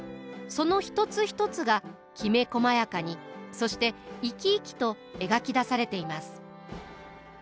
その一つ一つがきめこまやかにそして生き生きと描き出されています。